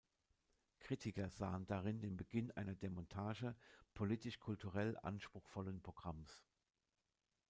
Kritiker sahen darin den Beginn einer Demontage politisch-kulturell anspruchsvollen Programms.